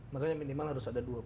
makanya minimal harus ada dua puluh